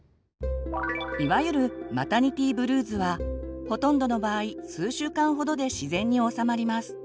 いわゆるマタニティブルーズはほとんどの場合数週間ほどで自然におさまります。